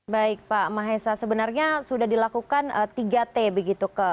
baik pak mahesa sebenarnya sudah dilakukan tiga t begitu